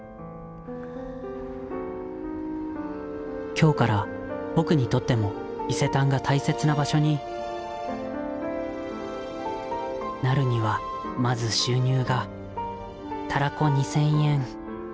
今日から僕にとっても伊勢丹が大切な場所になるにはまず収入がたらこ２，０００円。